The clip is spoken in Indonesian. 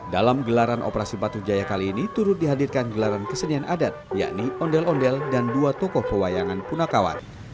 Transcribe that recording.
dalam gelaran operasi batu jaya kali ini turut dihadirkan gelaran kesenian adat yakni ondel ondel dan dua tokoh pewayangan punakawan